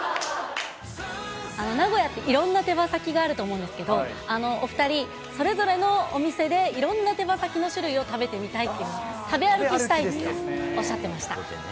名古屋っていろんな手羽先があると思うんですけれども、お２人、それぞれのお店でいろんな手羽先の種類を食べてみたいって、食べ歩きしたいとおっしゃってました。